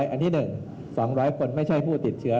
อันที่๑๒๐๐คนไม่ใช่ผู้ติดเชื้อ